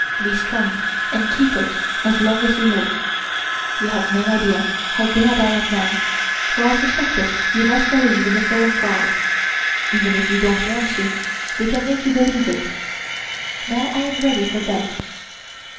Be strong and keep it as long as you live. You have no idea how glad I am now, for I suspected you must believe in the foreign God. Even if you don't want to, they can make you believe it. Now I am ready for bed."